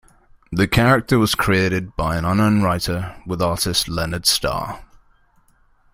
The character was created by an unknown writer with artist Leonard Star.